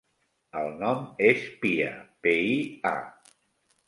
El nom és Pia: pe, i, a.